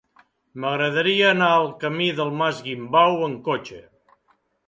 M'agradaria anar al camí del Mas Guimbau amb cotxe.